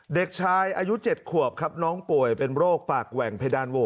เด็กชายอายุ๗ขวบครับน้องป่วยเป็นโรคปากแหว่งเพดานโหว